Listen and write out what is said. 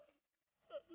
semua kesalahan hamba